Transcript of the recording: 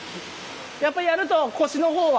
やっぱやると腰の方は。